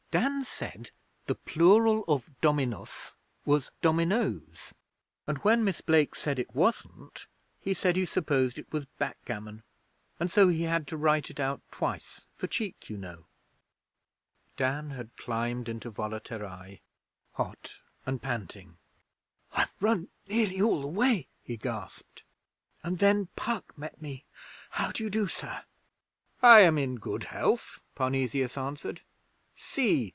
'Dan said the plural of "dominus" was "dominoes", and when Miss Blake said it wasn't he said he supposed it was "backgammon", and so he had to write it out twice for cheek, you know.' Dan had climbed into Volaterrae, hot and panting. 'I've run nearly all the way,' he gasped, 'and then Puck met me. How do you do, Sir?' 'I am in good health,' Parnesius answered. 'See!